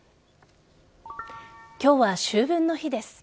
今日は秋分の日です。